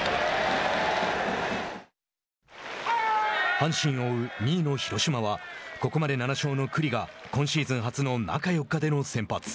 阪神を追う２位の広島はここまで７勝の九里が今シーズン初の中４日での先発。